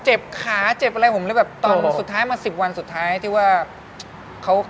เจ็บขาเจ็บอะไรผมเลยแบบตอนสุดท้ายมา๑๐วันสุดท้ายที่ว่าเขา